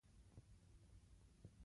زول خوبانۍ شڼ وهلي دي